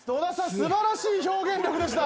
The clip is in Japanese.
素晴らしい表現力でした。